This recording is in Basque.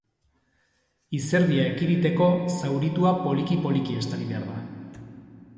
Izerdia ekiditeko zauritua poliki-poliki estali behar da.